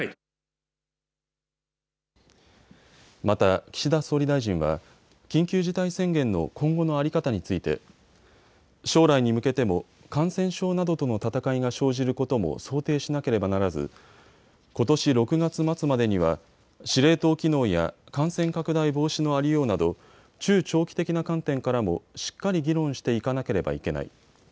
また岸田総理大臣は緊急事態宣言の今後の在り方について将来に向けても感染症などとの闘いが生じることも想定しなければならずことし６月末までには司令塔機能や感染拡大防止のありようなど中長期的な観点からもしっかり議論していかなければいけない。